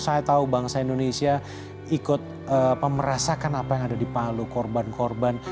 saya tahu bangsa indonesia ikut merasakan apa yang ada di palu korban korban